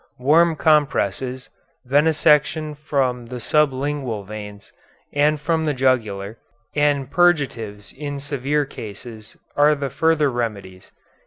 Warm compresses, venesection from the sublingual veins, and from the jugular, and purgatives in severe cases, are the further remedies.